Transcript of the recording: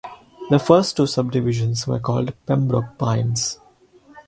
The first two subdivisions were called Pembroke Pines.